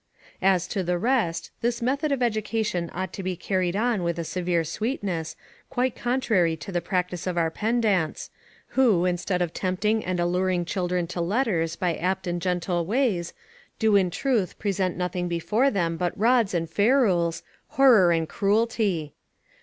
As to the rest, this method of education ought to be carried on with a severe sweetness, quite contrary to the practice of our pedants, who, instead of tempting and alluring children to letters by apt and gentle ways, do in truth present nothing before them but rods and ferules, horror and cruelty.